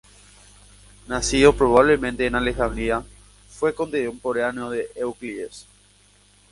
Nacido, probablemente, en Alejandría, fue contemporáneo de Euclides.